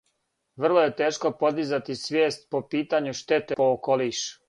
Врло је тешко подизати свијест по питању штете по околиш.